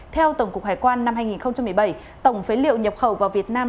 theo tổng cục hải quan năm hai nghìn một mươi bảy tổng phế liệu nhập khẩu vào việt nam